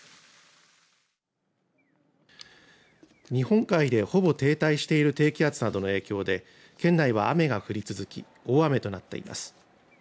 日本海でほぼ停滞している低気圧などの影響で県内は雨が降り続き大雨となっています。